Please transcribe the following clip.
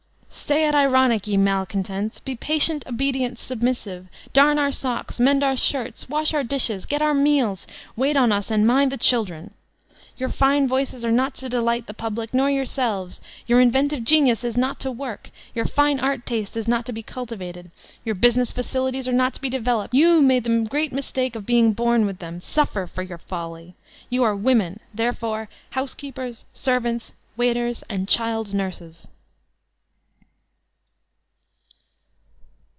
Stay at home, ye malcontents ! Be patient, obedient, submissive 1 Darn our socks, mend our shirts, wash our dishes, get our meals, wait on us and tnind the children! Your fine voices are not to delight the public nor yourselves ; your inventive genius is not to work, your fine art taste is not to be cultivated, your business faculties are not to be developed; you made the great mistake of beiQg bom with them, suffer for your folly 1 You are wamunt therefore housekeepers, servants, waiters, and chiU's nurses!